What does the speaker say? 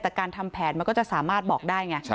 แต่การทำแผนมันก็จะสามารถบอกได้ไง